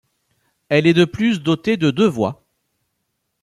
Elle est de plus dotée de deux voies.